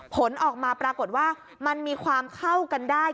ผลออกมาปรากฏว่ามันมีความเข้ากันได้